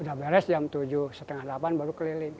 udah beres jam tujuh setengah delapan baru keliling